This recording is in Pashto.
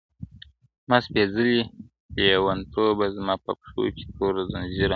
زما سپېڅلې لېونتوبه زما په پښو کي تور زنځیره,